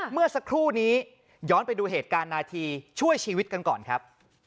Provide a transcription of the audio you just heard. เมื่อสักครู่นี้ย้อนไปดูเหตุการณ์นาทีช่วยชีวิตกันก่อนครับ